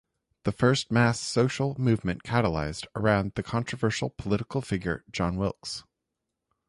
The first mass social movement catalyzed around the controversial political figure, John Wilkes.